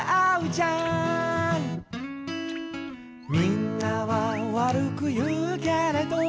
「みんなは悪く言うけれど」